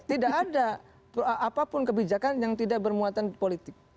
tidak ada apapun kebijakan yang tidak bermuatan politik